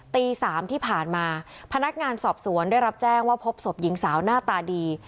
ตี๓ที่ผ่านมาพนักงานสอบสวนได้รับแจ้งว่าพบศพหญิงสาวหน้าตาดี